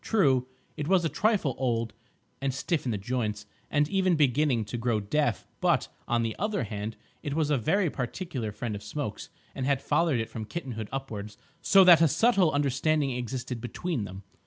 True, it was a trifle old, and stiff in the joints, and even beginning to grow deaf, but, on the other hand, it was a very particular friend of Smoke's, and had fathered it from kittenhood upwards so that a subtle understanding existed between them.